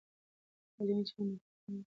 تعلیمي چلند د فقر مخه نیسي.